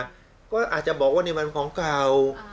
ก็อาจจะบอกว่านี่มันของเก่า